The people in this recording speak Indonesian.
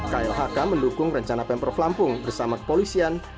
klhk mendukung rencana pemprov lampung bersama kepolisian